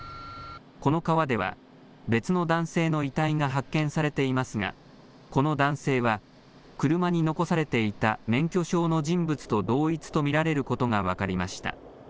この川では、別の男性の遺体が発見されていますが、この男性は車に残されていた免許証の人物と同一と見られることが分かりました。